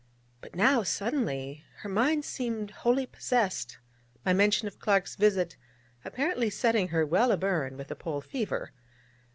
But now, suddenly, her mind seemed wholly possessed, my mention of Clark's visit apparently setting her well a burn with the Pole fever.